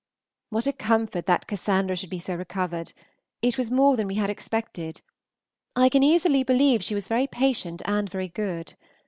What a comfort that Cassandra should be so recovered! It was more than we had expected. I can easily believe she was very patient and very good.